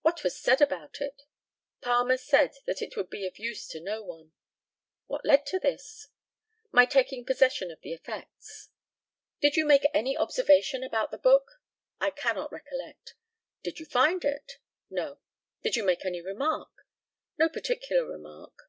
What was said about it? Palmer said that it would be of use to no one. What led to this? My taking possession of the effects. Did you make any observation about the book? I cannot recollect. Did you find it? No. Did you make any remark? No particular remark.